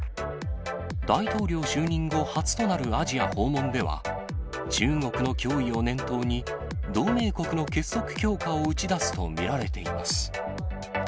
大統領就任後初となるアジア訪問では、中国の脅威を念頭に、同盟国の結束強化を打ち出すと見られています。